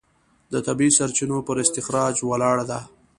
د طبیعي سرچینو پر استخراج ولاړه ده.